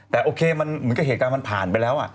แต่โอเคมันเหมือนกับเหตุการณ์มันผ่านไปแล้ว